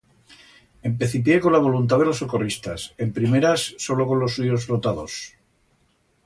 Empecipié con la voluntat de los socorristas, en primeras, solo con los suyos flotadors.